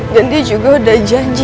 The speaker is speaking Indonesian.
dan dia juga udah janji